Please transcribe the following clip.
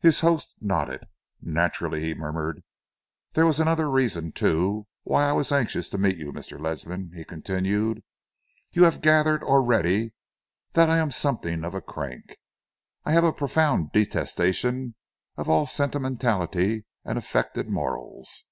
His host nodded. "Naturally," he murmured. "There was another reason, too, why I was anxious to meet you, Mr. Ledsam," he continued. "You have gathered already that I am something of a crank. I have a profound detestation of all sentimentality and affected morals.